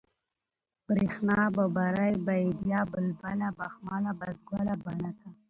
برېښنا ، ببرۍ ، بېديا ، بلبله ، بخمله ، بسوگله ، بڼکه